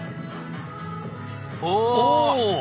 お！